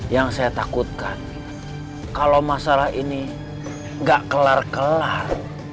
yang saya takutkan kalau masalah ini gak kelar kelar